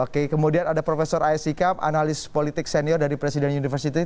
oke kemudian ada profesor a s sikap analis politik senior dari presiden universitas indonesia